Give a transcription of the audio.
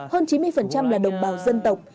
hơn chín mươi là đồng bào dân tộc